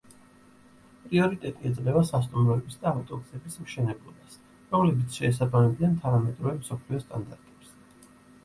პრიორიტეტი ეძლევა სასტუმროების და ავტოგზების მშენებლობას, რომლებიც შეესაბამებიან თანამედროვე მსოფლიო სტანდარტებს.